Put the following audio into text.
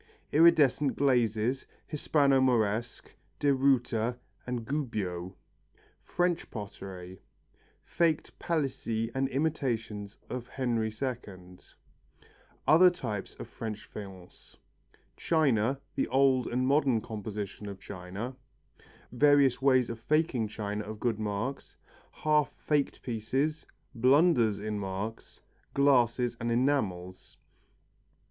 Iridescent glazes, Hispano Moresque, Deruta and Gubbio French pottery Faked Palissy and imitations of Henri II Other types of French faience China, the old and modern composition of china Various ways of faking china of good marks Half faked pieces Blunders in marks Glasses and enamels.